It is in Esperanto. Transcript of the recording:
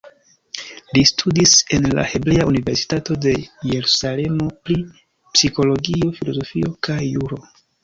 Li studis en la Hebrea Universitato de Jerusalemo pri psikologio, filozofio kaj juro.